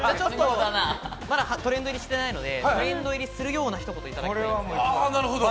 まだトレンド入りしてないので、トレンド入りするような一言をお願いします。